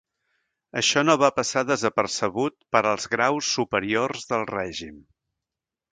Això no va passar desapercebut per als graus superiors del règim.